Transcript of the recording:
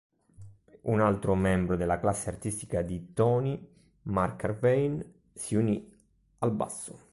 Un altro membro della classe artistica di Tony, Mark Irvine, si unì al basso.